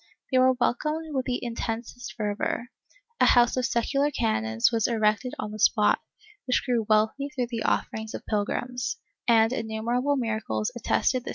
They were wel comed with the intensest fei vor, a house of secular canons was erected on the spot, which grew wealthy through the offerings of pilgrims, and innumerable miracles attested the sanctity of the > Urbani PP.